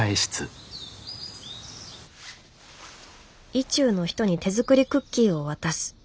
意中の人に手作りクッキーを渡す。